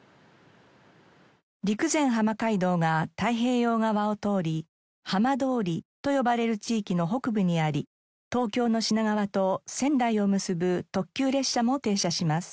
陸前浜街道が太平洋側を通り浜通りと呼ばれる地域の北部にあり東京の品川と仙台を結ぶ特急列車も停車します。